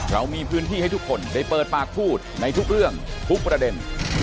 เรามีพื้นที่ให้ทุกคนได้เปิดปากพูดในทุกเรื่องทุกประเด็น